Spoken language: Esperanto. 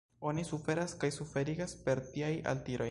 Oni suferas kaj suferigas per tiaj altiroj.